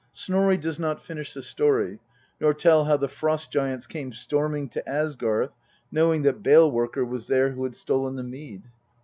Snorri does not finish the story, nor tell how the Frost giants came storming to Asgarth knowing that Bale worker was there who had stolen the mead.